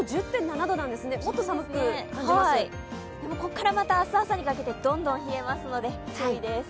ここからまた、明日朝にかけてどんどん冷えますので注意です。